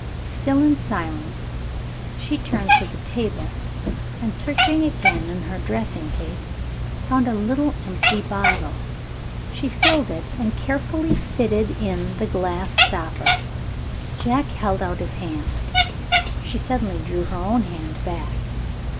Still in silence, she turned to the table, and searching again in her dressing case, found a little empty bottle. She filled it and carefully fitted in the glass stopper. Jack held out his hand. She suddenly drew her own hand back.